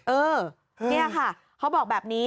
เออนี่ค่ะเขาบอกแบบนี้